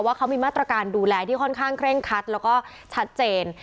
ว่าเขามีมาตรการดูแลที่ค่อนข้างเคร่งคัดแล้วก็ชัดเจน